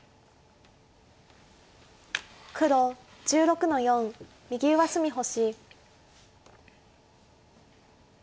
黒１６の四右上隅星。